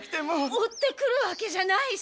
追ってくるわけじゃないし。